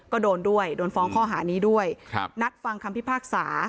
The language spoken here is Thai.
ก็โดนด้วยโดนฟ้องข้อหานี้ด้วยครับนัดฟังคำพิพากษา